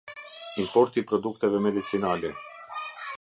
Importi i produkteve medicinale.